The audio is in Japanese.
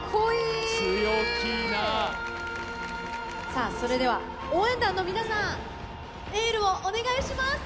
さぁそれでは応援団の皆さんエールをお願いします！